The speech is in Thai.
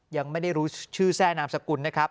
ยังไม่ได้รู้ชื่อแทร่นามสกุลนะครับ